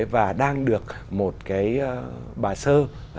và đang được một cái bà sơ